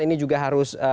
ini juga harus